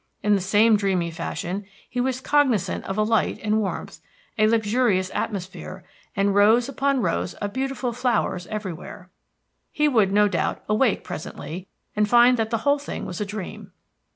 In the same dreamy fashion, he was cognisant of light and warmth, a luxurious atmosphere, and rows upon rows of beautiful flowers everywhere. He would, no doubt, awake presently, and find that the whole thing was a dream.